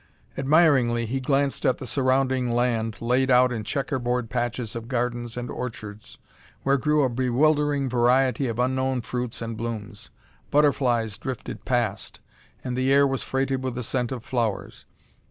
Admiringly, he glanced at the surrounding land laid out in checkerboard patches of gardens and orchards where grew a bewildering variety of unknown fruits and blooms. Butterflies drifted past, and the air was freighted with the scent of flowers.